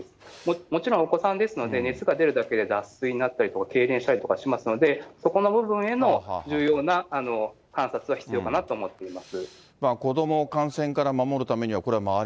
もちろんお子さんですので、熱が出るだけで脱水になったりとか、けいれんしたりとかしますので、そこの部分への重要な観察は必要かなと思っています。